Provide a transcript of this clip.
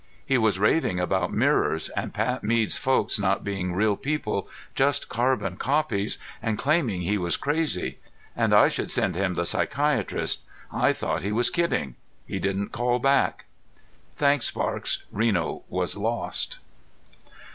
He was raving about mirrors, and Pat Mead's folks not being real people, just carbon copies, and claiming he was crazy; and I should send him the psychiatrist. I thought he was kidding. He didn't call back." "Thanks, Sparks." Reno was lost.